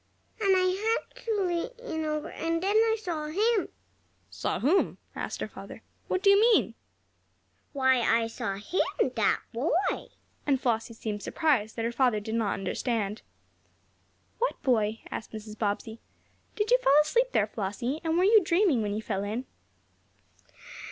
"And I had to lean over. And then I saw him." "Saw whom?" asked her father. "What do you mean?" "Why, I saw him that boy," and Flossie seemed surprised that her father did not understand. "What boy?" asked Mrs. Bobbsey. "Did you fall asleep there, Flossie, and were you dreaming, when you fell in?"